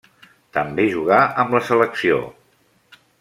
També jugà amb la selecció.